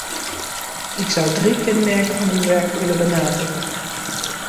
Ik zou drie kenmerken van uw werk willen benadrukken.